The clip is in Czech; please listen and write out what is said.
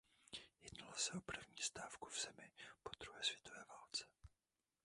Jednalo se o první stávku v zemi po druhé světové válce.